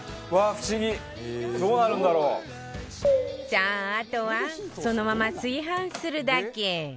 さああとはそのまま炊飯するだけ